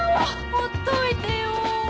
ほっといてよ